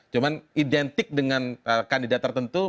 cuman identik dengan kandidat tertentu